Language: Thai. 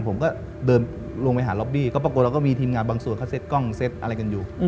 ผมก็เดินลงไปหาล็อบบี้ก็ปรากฏเราก็มีทีมงานบางส่วนเขาเซ็ตกล้องเซ็ตอะไรกันอยู่